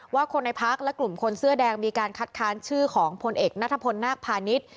ว่าคนในพักและกลุ่มคนเสื้อแดงมีการคัดค้านชื่อของพลเอกนัทพลนาคพาณิชย์